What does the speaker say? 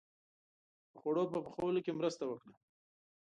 • د خوړو په پخولو کې مرسته وکړه.